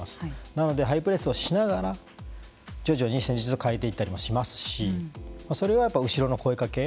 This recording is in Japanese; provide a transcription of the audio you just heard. なのでハイプレスをしながら徐々に戦術を変えていったりもしますしそれは後ろの声かけ